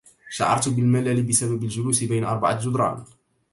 شعرت بالملل بسبب الجلوس بين أربعة جدران.